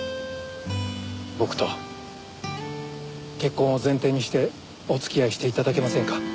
僕と結婚を前提にしてお付き合いして頂けませんか？